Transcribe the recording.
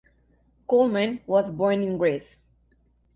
Coleman was born in Greece.